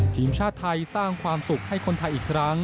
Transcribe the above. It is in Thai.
ทีมชาติไทยสร้างความสุขให้คนไทยอีกครั้ง